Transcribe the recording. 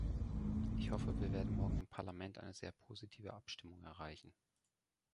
Ich hoffe, wir werden morgen im Parlament eine sehr positive Abstimmung erreichen.